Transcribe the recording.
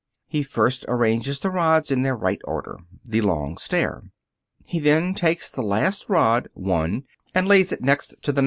He first arranges the rods in their right order (the long stair); he then takes the last rod (1) and lays it next to the 9.